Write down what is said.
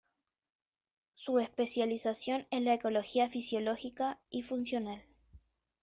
Su especialización es la ecología fisiológica y funcional.